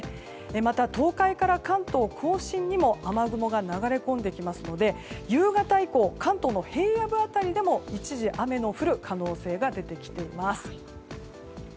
また東海から関東・甲信にも雨雲が流れ込んできますので夕方以降、関東の平野部辺りでも一時雨の降る可能性が出てきています。